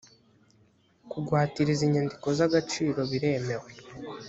kugwatiriza inyandiko z’agaciro biremewe